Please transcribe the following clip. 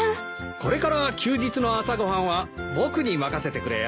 これから休日の朝ご飯は僕に任せてくれよ。